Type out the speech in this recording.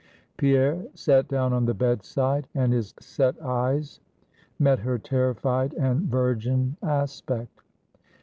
Pierre sat down on the bedside; and his set eyes met her terrified and virgin aspect.